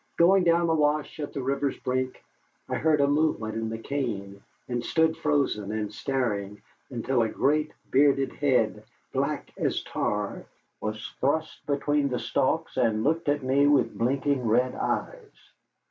Going down to wash at the river's brink, I heard a movement in the cane, and stood frozen and staring until a great, bearded head, black as tar, was thrust out between the stalks and looked at me with blinking red eyes.